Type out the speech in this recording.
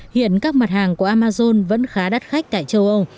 hiện các mặt hàng của amazon vẫn khá đắt khách tại châu âu